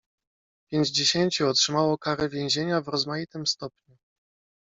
"Pięćdziesięciu otrzymało karę więzienia w rozmaitym stopniu."